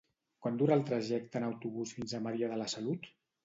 Quant dura el trajecte en autobús fins a Maria de la Salut?